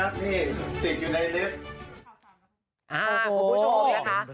พูดชมเลยนะคะ